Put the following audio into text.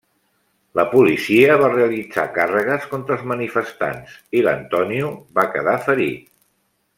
La policia va realitzar càrregues contra els manifestants i l'Antonio va quedar ferit.